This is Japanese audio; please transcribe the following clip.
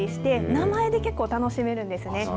名前で結構、楽しめるんですね。